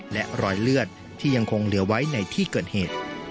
และรอยเลือดที่ยังคงเหลือไว้ในที่เกิดเหตุ